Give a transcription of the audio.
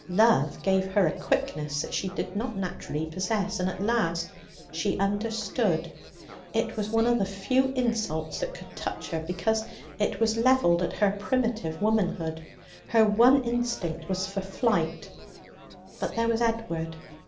Love gave her a quickness that she did not naturally possess, and at last she understood. It was one of the few insults that could touch her, because it was levelled at her primitive womanhood. Her one instinct was for flight. But there was Edward.